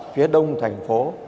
phía đông thành phố